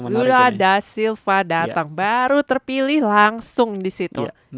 lula da silva datang baru terpilih langsung disitu